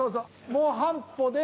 もう半歩で。